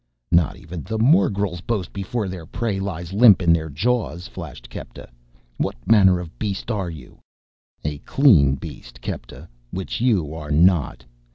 "Not even the morgels boast before their prey lies limp in their jaws," flashed Kepta. "What manner of beast are you?" "A clean beast, Kepta, which you are not.